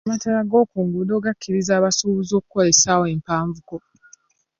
Amataala g'oku nguudo gakkiriza abasuubuzu okukolera essawa empavuko.